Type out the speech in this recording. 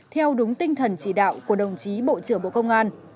theo đúng tinh thần chỉ đạo của đồng chí bộ trưởng bộ công an